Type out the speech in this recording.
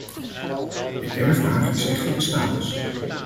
De kernvraag is echter de status.